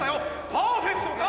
パーフェクトか？